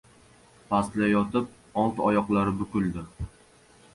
Pastlayotib, old oyoqlari bukildi.